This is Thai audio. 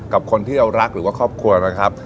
กับคนที่เรารักหรือว่าครอบครัวนะครับ